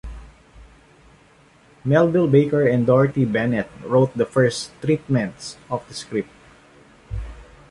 Melville Baker and Dorothy Bennett wrote the first treatments of the script.